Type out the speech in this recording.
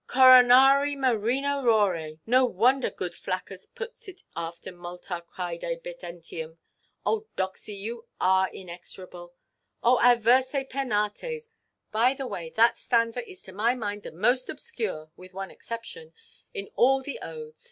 "ʼCoronari marino rore!' No wonder good Flaccus puts it after 'multâ cæde bidentium.' Oh, Doxy, you are inexorable. O averse Penates! By the way, that stanza is to my mind the most obscure (with one exception) in all the Odes.